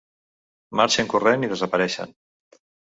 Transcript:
Marxen corrent i desapareixen.